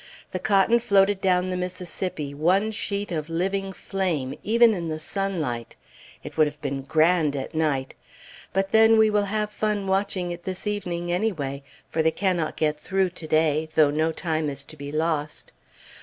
The cotton floated down the Mississippi one sheet of living flame, even in the sunlight. It would have been grand at night. But then we will have fun watching it this evening anyway; for they cannot get through to day, though no time is to be lost.